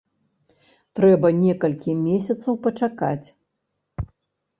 Трэба некалькі месяцаў пачакаць.